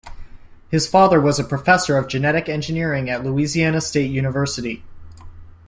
His father was a professor of genetic engineering at Louisiana State University.